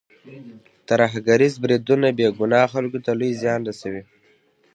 ترهګریز بریدونه بې ګناه خلکو ته لوی زیان رسوي.